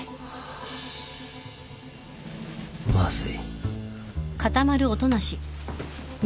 まずい。